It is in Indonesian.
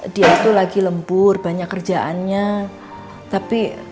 dia itu sedang lembut dan tidak berdiri di rumahnya jadi dia tidak tahu apa yang akan terjadi pada waktu itu